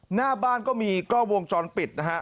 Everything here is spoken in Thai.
หน้าบ้านก็มีกล้องวงจรปิดนะฮะ